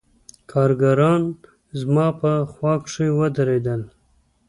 کارګران زما په خوا کښې ودرېدل.